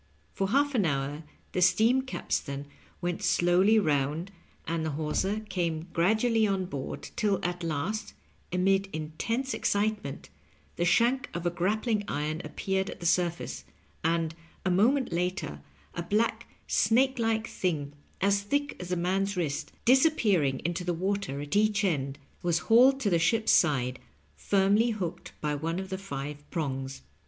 For half an hour the steam capstan went slowly round, and the hawser came gradually on board, till at last, amid intense excitement, the shank of a grappling iron appeared at the surface, and, a moment later, a black, snake like thing as thick as a man's wrist, disappearing into the water at each end, was hauled to the ship's side, firmly hooked by one of the five prongs.